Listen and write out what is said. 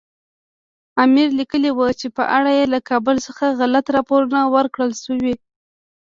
امیر لیکلي وو چې په اړه یې له کابل څخه غلط راپورونه ورکړل شوي.